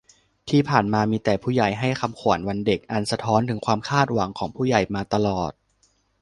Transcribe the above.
ที่ผ่านมา มีแต่ 'ผู้ใหญ่' ให้คำขวัญวันเด็ก อันสะท้อนถึงความคาดหวังของ 'ผู้ใหญ่' มาตลอด